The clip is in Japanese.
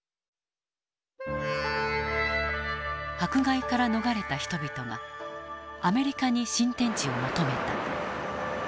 迫害から逃れた人々がアメリカに新天地を求めた。